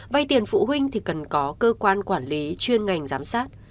vay tiền phụ huynh thì cần có cơ quan quản lý chuyên ngành giám sát